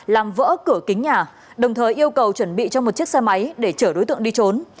làm vỡ cửa kính nhà đồng thời yêu cầu chuẩn bị cho một chiếc xe máy để chở đối tượng đi trốn